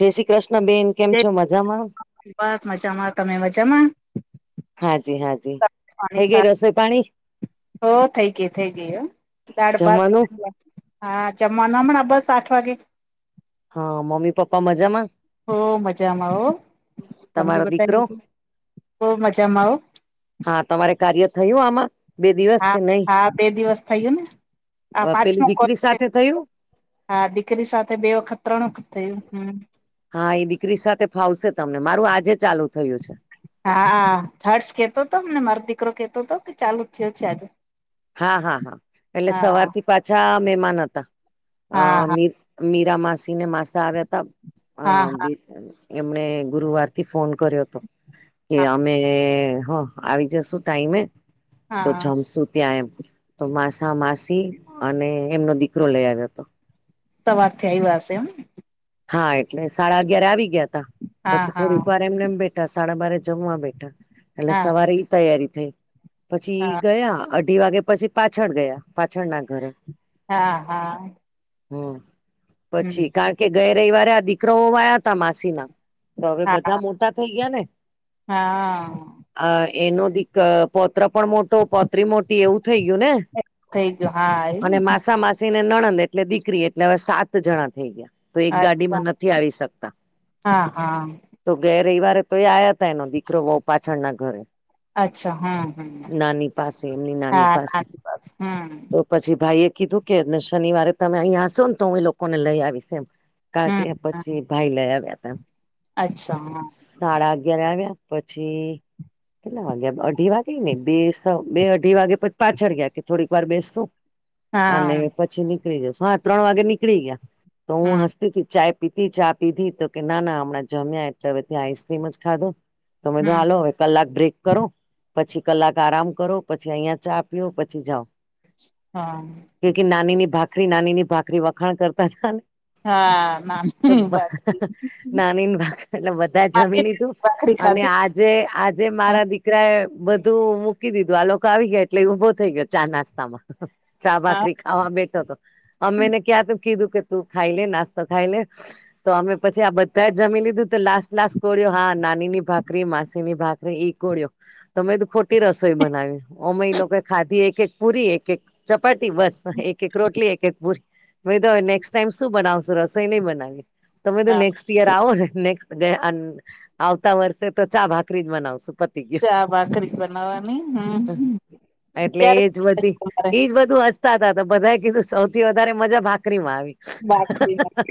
જય શ્રી કૃષ્ણબેન. જ બસ મજામાં. તમે મજામાં? હાજી હા જ હે ગ રસોઈ પાણી હ થઈ ગય થઈ ગય હ દાળભાત જમવાનું હા ચમવા [unintelligible] નામણા બસ આઠ વાગે હા મમ્મી પપ્પા મજામાં હો મજામાં આવ તમને તમારો બતા દીકરો નથી હો મજામાં આવ હા તમારે કાર્ય થયું આમાં બે દિવસ હા કે નહી હા બે દિવસ થયું ને આ પેલી પાંચમો કોલ દીકરી છે સાથે થયું હા દીકરી સાથે બે વખત ત્રણ વખત થયું હમ. હા એ દીકરી સાથે ફાવશે તમને મારું આજે ચાલુ થયું છે. હા હર્ષ કેતો હતો ને મારો દીકરો કેતો હતો કે ચાલુ જ થયો છે આજે. હા હા હા એટલે હા સવારથી પાછા મહેમાન હતા અ હા હા [unintelligible] મીરા માસી ને માસા આવ્યા હતા. હા [unintelligible] એમણે ગુરુવારથી ફોન કર્યો હતો કે હા અમે હ. આવી જસું ટાઈમે તો હા જમશું. ત્યાં એમ તો માસા માસી અને એમનો દીકરો લઈ આવ્યો હતો. સવારથી આવ્યા હશે એમ! હા એટલે સાડા અગિયારે આવી ગયા તા હા પછી હા થોડીક વાર એમનેમ બેઠા. સાડા બારે જમવા બેઠા એટલે હા સવારે ઈ તૈયારી થઈ પછી હા ઈ ગયા. [unintelligible] અઢી વાગે પછી પાછળ ગયા પાછળના ઘરે. હા હા હમ હમ પછી કારણ કે ગયા રવિવારે આ દીકરા-વહું આયા હતા માસીના. તો હવે હા બધા મોટા થઈ ગયા ને! હા આ એનો દીક પોત્ર પણ મોટો પોત્રી મોટી એવું થઈ ગયું ને! થઇ ગયો હા એ. [unintelligible] માસી ને નણંદ એટલે દીકરી એટલે હવે સાત જણા થઈ ગયા. તો એક અચ્છા ગાડીમાં નથી આવી શકતા. હા હા તો ગયે રવિવારે તો એ આયા હતા એનો દીકરો-વહુ પાછળના ઘરે. અચ્છા હમ નાની પાસે એમની હમ નાની હા પાસે. બસ હમ પછી ભાઈ એ કીધું કે શનિવારે તમે અહીંયા હશો ને તો હું એ લોકોને લઈ આવીશ એમ. કારણકે હમ પછી ભાઈ લઈ આવ્યા તા. અચ્છા હા સાડા અગયારે આવ્યા પછી કેટલા વાગ્યા અઢી વાગે ને બે બે અઢી વાગે પછી પાછળ ગયા કે થોડીક વાર બેસું. અને હા પછી નીકળી જશું હા ત્રણ વાગે નીકળી ગયા તો હમ હું હસતીતી ચાય પીધી ચા પીધી તો કે ના ના હમણાં જમ્યા એટલે હવે ત્યા આઈસક્રીમ જ ખાધો. તો મેં કીધું હમ હાલો હવે કલાક બ્રેક. કરો પછી કલાક આરામ કરો, પછી અહિયાં ચા પીઓ, પછી જાઓ. હા કે કે નાનીની ભાખરી નાનીની ભાખરી વખાણ કરતા હતા ને. હા મામ તો નાનીનિ ભાખરી એટલે બધા જમી લીધું ભાખરી અને ખાધી આજ જે આજે હા મારા દીકરાએ બધું મૂકી દીધું આ લોકો આવી ગયા એટલે ઈ ઊભો થઈ ગયો ચા નાસ્તામાં. ચા હા ભાખરી ખાવા બેઠો તો અમે એને ક્યારનું કીધું કે તું ખાઈ લે નાસ્તો ખાઈ લે. તો અમે પછી આ બધા જમી લીધું તો લાસ્ટ લાસ્ટ કોળિઓ હા નાનીની ભાખરી માસીની ભાખરી ઇ કોળીયો તો મે કીધું ખોટી રસોઈ બનાવી. ઓમેય એ લોકોએ ખાધી એક એક પુરી એક-એક ચપાટી બસ, એક-એક રોટલી એક-એક પૂરી. મે કીધું હવે નેક્સ્ટ ટાઈમ શું બનાવશો રસોઈ નઈ બનાવીએ તો મેં કીધું [unintelligible] યર આવોને નેક્સ્ટ, આવતા વર્ષે તો ચા-ભાખરી જ બનાવશું. પતી ચા ભાખરી જ બનાવવાની ગયું હમ. એટલે ક્યારે એજ બધી તમારે ઈજ બધું [unintelligible] [unintelligible] બધાએ કીધું સૌથી વધારે મજા ભાખરીમાં ભાખરી આવી.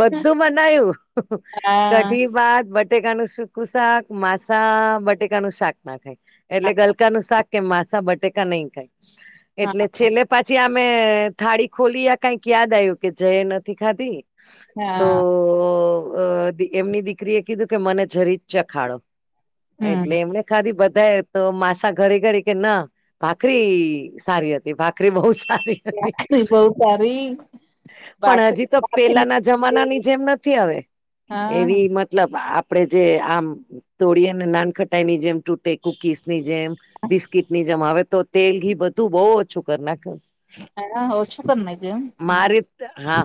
બધું બનાયું હા કઢી-ભાત બટાકાનું [unintelligible] કુ શાક માસા બટેકા નું શાક ના ખાય. એટલે ગલકા નું શાક કે માસા બટેકા નહી ખાય હા એટલે છેલ્લે પછી અમે થાળી ખોલી આ કઈક યાદ આવ્યું કે [unintelligible] નથી ખાધી. તો હા. એમની દીકરી એ કીધું કે મને જરી ચખાડો હમ એટલે એમને ખાધી બધાએ તો માસા ઘડી ઘડી કે ના ભાખરી સારી હતી ભાખરી બહુ સારી હતી [inaudible] બહુ સારી. પણ હજી તો ભાખરી પેલાના જમાના ની જેમ હવે હા એવી મ મતલબ આપડે જે આમ તોડી અને નાન ખટાઈની જેમ તૂટે કુકીસ ની જેમ બિસ્કીટ ની જેમ હવે તો તેલ ઘી બધું બહુ ઓછું કરી નાખે. [unintelligible] ઓછું કરી નાખ્યું એમ. મારે હા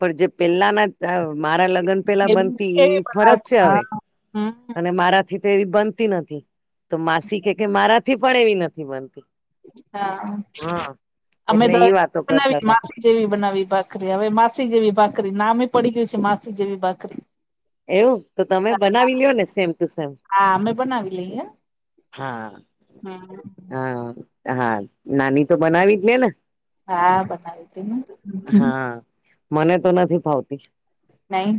પણ જે પેલાના મારા લગ્ન પેલા એમ બનતી કેવી બનાવ ફરક છે હવે. હા હમ અને મારા થી તો એવી બનતી નથી તો માસી કે કે મારા થી પણ એવી નથી બનતી. હા હા અમે તો એટલે એ વાતો કરતા બનાવી હતા માસી જેવી બનાવી ભાખરી હવે માસી જેવી ભાખરી નામે પડી ગયું છે માસી જેવી ભાખરી એવું તો તમે બનાવી લ્યો ને સેમ ટુ સેમ. હા અમે બનાવી લઈએ હા હમ હા નાની તો બનાવી જ ને. હા બનાવી [unintelligible] ને. હા મને તો નથી ફાવતી. નહી.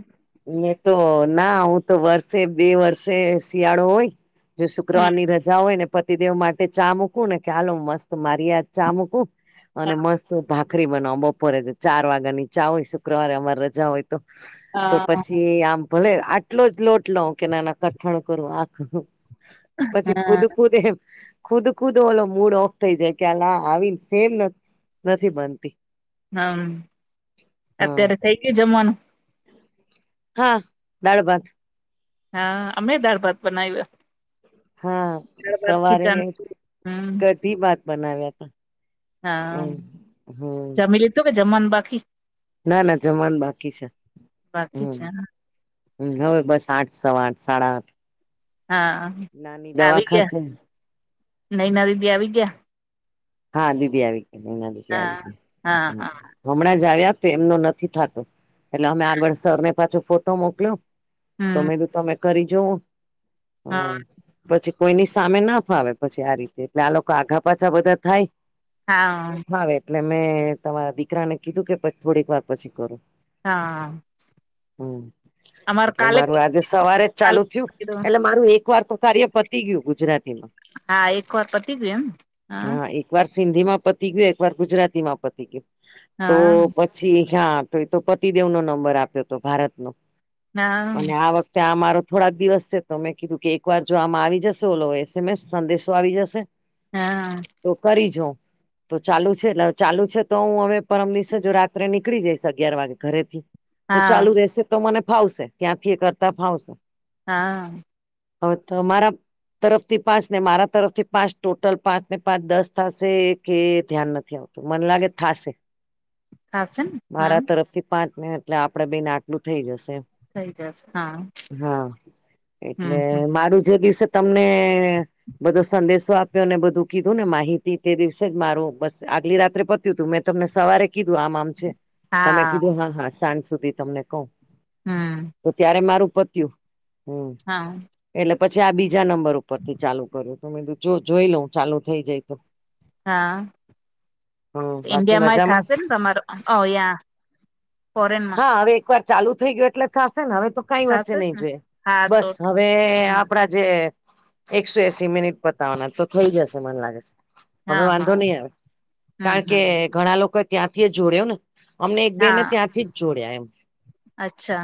મેં તો ના હું તો વર્ષે બે વર્ષે શિયાળો હોય. જો શુક્રવાર ની રજા હોય ને પતિદેવ માટે ચા મૂકવું ને કે હાલો મસ્ત મારી [unintelligible] ચા મૂકું. અને મસ્ત ભાખરી બનવા બપોરે છે ચાર વાગ્યા નીચા હોય શુક્રવારે અમારે રજા હોય. તો હા પછી ભલે આટલો જ લોટ લઉ કે નાના કઠણ કરું આ કરું પછી [unintelligible] હા ખુદ એમ ખુદ ખુદ ઓલો મૂડ ઓફ થઈ જાય કે ના આવીને સેમ નથી. નથી બનતી. હમ હ અત્યારે થઇ ગયું જમવાનું. હા દાળ ભાત. હા અમે દાળ ભાત બનાયવા. હા સવારે. ખીચાનું હમ ભા ત બનાવ્યા હતા [unintelligible] હમ. તો કે જમવાન બાકી ના ના જમાવાનું બાકી છે બાકી હમ. છે હવે બસ આઠ સવા આઠ સાડા આઠ. હા. નાની દવા ખાશે. નયના દીદી આવી ગયા. હા દીદી આવી હા ગયા. હા હા. [inaudible] હમણાં જ આવ્યા તો એમનો નથી થતો એટલે અમે આગળ સરને પાછો ફોટો મોકલ્યો. તો હમ મે કીધું તમે કરી જોવો. હા. હમ પછી કોઈની સામે ના ફાવે પછી આ રીતે ત આ લોકો આઘા પાછા બધા થાય. હા ફાવે એટલે મેં તમારા દીકરાને કીધું કે પ થોડીક વાર પછી ફોન કરે તાય હુય એટલે કાલે મારું આજે સવારે જ કાલે ચાલુ થયું કીધું. એટલે મારું એક વાર તો કાર્ય પત થય ગયું ગુજરાતી માં આ એક વાર પતી ગયા હા એકવાર હિન્દીમાં પતી ગયું એક વાર ગુજરાતી માં પતી ગયું તો હા પ જીય હા મેતો તો પતિદેવનો નંબર આપ્યો તો ભારતનો હા અને આ વખરે- ત્યાં મારો થોડાક દિવસ સે તો મેં કીધું કે એક વાર જો આમાં આવી જશો અલો એસ એમ એસ સંદેશો આવી જશે લોય અ હા [unintelligible] તો કરી જોય તો ચાલુ છે એટલે ચાલુ છે તો હું હવે પરમ દિવસે ની જો રાત્રે નીકળી જઈશ અગિયાર વાગે ઘરેથી તો હા ચાલુ રેશે તો મને ફાવશે ત્યાંથી એ કરતા ફાવશે હા [unintelligible] અવે તમારા તરફથી પાંચ ને મારા તરફથી પાંચ ટોટલ પાંચ ને પાંચ દસ થશે કે ધ્યાન નથી આવતું મને લાગે થાશે થાશે ને હા મારા તરફથી પાંચ ને એટલે આપડે બેનને આટલું થઈ જશે. થઈ જશે હા હા હમ એટલે હમ મારું જે કિસય તમને બધો સંદેશો આપ્યો ને બધું કીધું ને માહિતી તે દિવસે મારું બસ આગલી રાત્રે પત્યું તું મેં તમને સવારે કીધું આમ આમ છે. તમે કીધું હા હા સાંજ સુધી માં તમને કઉ હમ તો ત્યારે મારું પત્યું હુંય હા પસિ એટલે પછી આ બીજા નંબર ઉપરથી ચાલુ કર્યું તો એલુ જો જોઈ લઉં ચાલુ થઈ જાય તો હા હમ બાકી ઈન્ડિયામાંય મજામાં થાશે ને તમારો અવયા ફોરેનેમાં હા હવે એકવાર ચાલુ થઈ ગયું એટલે થાશેને અવે તો કઈ વચ્ચે થશે જ નઈ ને આવે હા તો બસ હવે હમ આપડા જે એકસો એસી મિનિટ પતાવાના છે તો થઈ જશે મને લાગે છે. હવે હા વાંધો હા નય આવે હમ કારણ કે હમ ઘણા લોકોએ ત્યાંથીયે જોડ્યો ને અમને એક બેનને હા ત્યાંથી જ જોડયા એમ અચ્છા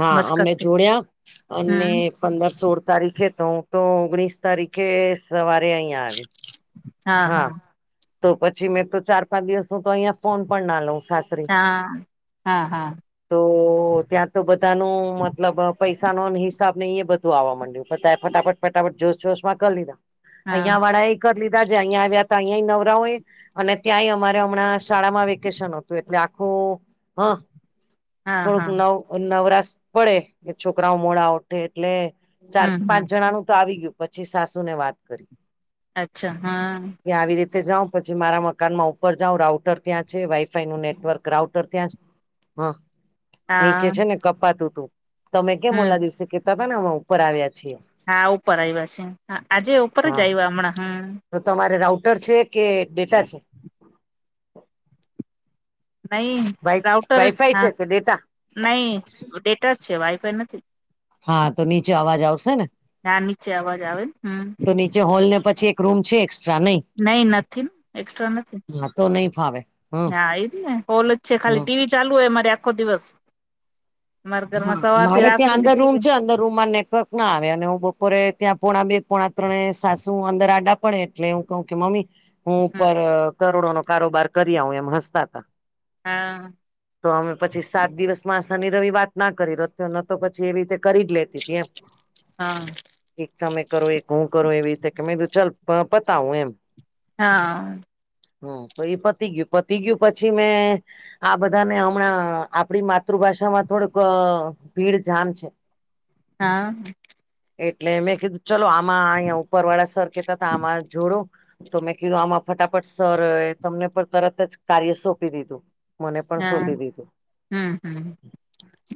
હા અમને મસ્કતથી જોડયા અને હમ પંદર સોળ તારીકે તો હું તો ઓગણીસ તારીકે સવારે અઇયાં આવી. [inaudible] હા તો પછી મેં તો ચાર પાંચ દિવસો તો અઈયાં ફોન પણ ના લઉ હાથ માં- તાય હા હા તો તો ત્યાં તો બધાનું મતલબ પૈસા નો ન હિસાબ ને એ બધું આવવા મડ્યું બધાએ ફટાફટ ફટાફટ જોશ જોશ માં કરી લીધા હા અઈયાં વાળા એ કર લીધા જે અઈયા આવ્યા તે ઈએ નવરા હોય અને ત્યાંય અમારે અમણ ના શાળામાં વેકેશન હતું એટલે આખું હ હા થોડુંક હા નવ નવરાશ પડે ડે છોકરાઓ મોડા ઉઠે એટલે ચાર હમ પાંચ હમ જાનું તો આવી ગયું પછી સાસુ ને વાત કરી અચ્છા હા ત્યાં આવી રીતે જાઉ પછી મારા મકાનનું માં ઉપર જાવ રાઉટર ત્યાં છે વાઈફાઈ નું નેટવર્ક રાઉટર ત્યાં છે હ નીચે હા છે ને કપાતૂ તુ તમે કેમ ઓલા હમ દિવસે કેતા તા ને વવ ઉપર આવ્યા છીએ. ને હા, ઉપર આયવા છે હા આજે ઉપર જ હા આયવા હમણાં હમણાં હું. તો તમારે રાઉટર છે કે ડેટા છે? નહી વાઈ રાઉટર જ વાઈફાઈ હા છે કે ડેટા નઈ ડેટા જ છે વાયફાઈ નથી. હા તો નીચે અવાજ આવશે ને હા નીચે અવાજ આવે હમ તો નીચ નીચે હોલ ને પછી એક રૂમ છે એક્સ્ટ્રા નઈ. નહી નથી, એક્સ્ટ્રા નથી. તો નઈ ફાવે. હમ હા એજ ને હોલ જ છે ખાલી હમ ટીવી ચાલુ હોય મારે આખો દિવસ. અમારા ઘરમાં હા, સવાર થી મારે રાત ત્યાં સુધી અંદર રૂમ ટીવી છે, અંદર રૂમમાં નેટવર્ક ના આવે અને હું બપોરે ત્યાં પોણા બે પોણા ત્રણે સાસુ અંદર આડા પડે એટલે હું કહું કે મમ્મી હું ઉપર હમ કરોડોનો કારોબાર કરી આવ એમ હસતા હતા. હા. તો અમે પછી સાત દિવસમાં શનિ રવિ વાત ના કરી [unintelligible] ન તો પછી એવી રીતે કરી જ લેતી હતી, એમ. હા. એક તમે કરો એક હું કરો એવી રીતે કે કીધું ચાલ પતાવું એમ. હા. હમ્મ, તો એ પતી ગયું, પતી ગયું પછી મેં આ બધા ને હમણાં આપડી માતૃભાષામાં થોડુંક અહ ભીડ જામ છે. હા. એટલે મેં કીધું ચલો આમાં અહીંયા ઉપર વાળા સર કેતા હતા આમાં જોડો તો મેં કીધું આમાં ફટાફટ સર તમને પણ તરત જ કાર્ય સોંપી દીધું. મને પણ સોપી દીધું. હમ્મ, હમ્મ.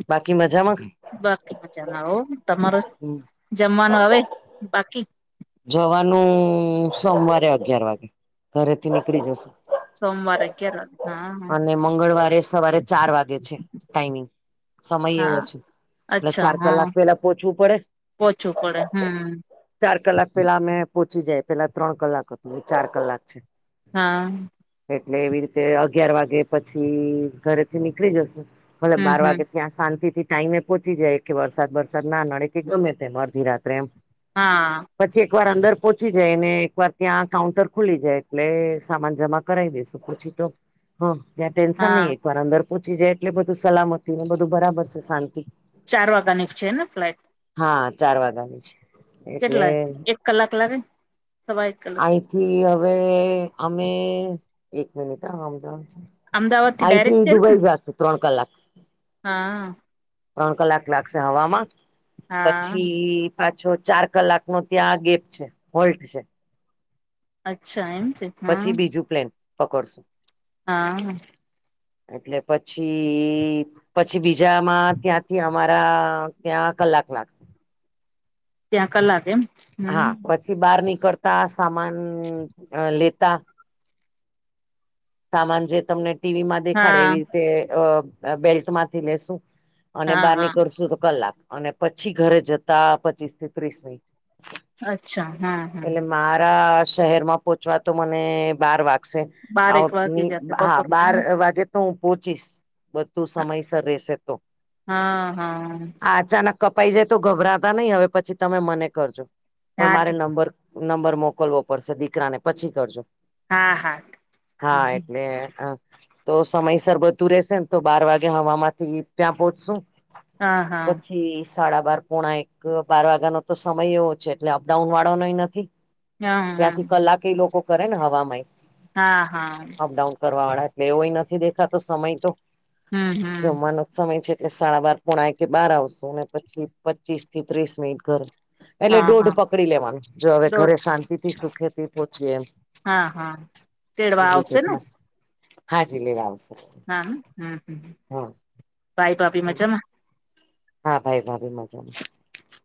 બાકી મજામાં? બાકી મજામાં હો, તમારો જમવાનું અવે બાકી? જવાનું સોમવારે અગયાર વાગે, ઘરે થી નીકળી જશુ. સોમવારે અગિયાર વાગે હા અને મંગળવારે સવારે ચાર વાગે છે ટાઈમિંગ. સમય એવો હા છે એટલે ચાર કલાક પેલા પોહોંચવું પડે પોછવું પડે, હમ્મ. ચાર કલાક પેલા અમે પોહોંચી જાય પેલા ત્રણ કલાક હતું હવે ચાર કલાક છે. હા. એટલે એવી રીતે અગિયાર વાગે પછી ઘરે થી નીકળી જશું ભલે હમ બાર હમ વાગે ત્યાં શાંતિથી ટાઈમે પહોંચી જાય કે વરસાદ બરસાદ ના નડે કે ગમે તેમ અડધી રાત્રે એમ. હા. પછી એકવાર અંદર પહોંચી જાય ને એકવાર ત્યાં કાઉન્ટર ખુલી જાય એટલે સામાન જમા કરાવી દઈશ. પછી તો ત્યાં હા ત્યાં ટેન્શન હા નઈ એક વાર અંદર પહોચી જાય એટલે બધું સલામતી ને બધું બરાબર છે શાંતિ. ચાર વાગ્યાની છે ને ફલાઈટ? હા, ચાર વાગાની છે. એટલે કેટલા એક કલાક લાગેને સવા એક કલાક? થી હવે અમે એક મીનીટ હા હમજાવું છું. અમદાવાદ થી આઈ થિ ડાયરેક્ટ છે ને દુબઈ જશુ ત્રણ કલાક. હા. ત્રણ કલાક લાગશે હવામાં હા પછી પાછો ચાર કલાક નો ત્યાં આ ગેપ છે હોલ્ડ છે. અચ્છા એમ છે હા પછી બીજું પ્લેન પકડશું. હા. એટલે પછી પછી બીજામાં ત્યાંથી અમારા ત્યાં કલાક લાગ ત્યાં કલાક એમ? હા હમ પછી બાર નીકળતા સામાન અહ લેતા સામાન જે તમને ટી વી માં દેખાડે હા એવી રીતે અહ અહ બેલ્ટમાંથી લેશું અને હા બાર હા નીકશું તો કલાક અને પછી ઘરે જતા પચીસ થી ત્રીસ મિનિટ. અચ્છા હા. હા એટલે મારા શહેરમાં પોચવા તો મને બાર વાગ શે આ અહ બારેક વાગી ની જશે હા બપોરને બાર વાગે તો હું પોચીશ બધું સમયસર રેશે તો. હા હા. આચાનક કપાઈ જાય તો ગભરાતા નઈ હવે પછી તમે મને કરજો પણ હા મારે ઠીક નંબર નંબર મોકલવો પડશે દીકરાને પછી કરજો. હા હા હા એટલે અહ તો સમયસર બધું રેશે તો બાર વાગે હવામાંથી ત્યાં પોચશું હા હા પચીસ. સાડા બાર પોણા એક બાર વાગ્યાનો તો સમય એવો છે એટલે અપડાઉન વાળો નય નથી. હા ત્યાંથી હમ કલાકે એ લોકો કરે ને હવામાંય. હા હા. ડાઉન કરવા વાળા એટલે એવોય નથી દેતા સમય તો હમ હમ જમવાનો સમય છે એટલે સાડા બાર પોણા કે બાર આવશો અને પછી પચીસ થી ત્રીસ મિનિટ ઘરે. એટલે હા દોઢ હા પકડી લેવાનું જો હવે ઘરે દોઢ શાંતિથી સુખેથી પોચી એ એમ. હા હા તેડવા એવી આવશે ને થાશે હાજી લેવા આવશે. હા હ હા હા હા. હા. ભાઈ ભાભી મજામાં? હા ભાઈ ભાભી મજામાં.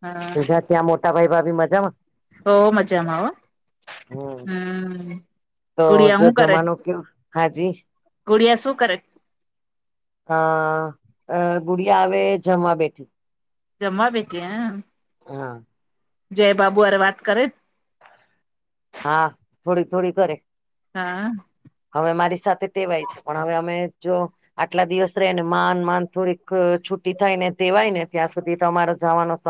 હા ગુજરાત ત્યાં મોટા ભાઈ ભાભી મજામાં? હોવ મજામાં હો હમ આ હમ્મ. તો જો જમાનો કેવું હાજી ગુડિયા શું કરે? હ અહ ગુડિયા આવે જમવા બેઠી. જમવા બેઠી એમ? હા. જય બાબુ આરે વાત કરે? હા, થોડી થોડી કરે. હા. હવે મારી સાથે ટેવાય છે પણ હવે અમે જો આટલા દિવસ રઈને માન માન થોડીક છુટી થઈને ટેવાય ને ત્યાં સુધી તમારો જાવાનો સ